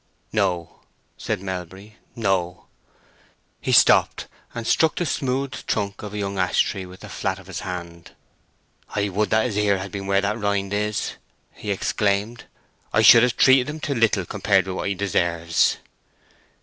"No," said Melbury—"no." He stopped, and struck the smooth trunk of a young ash tree with the flat of his hand. "I would that his ear had been where that rind is!" he exclaimed; "I should have treated him to little compared wi what he deserves."